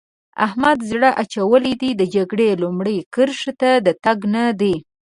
احمد زړه اچولی دی؛ د جګړې لومړۍ کرښې ته د تګ نه دی.